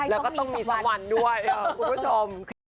แล้วก็ต้องมีสักวันด้วยคุณผู้ชม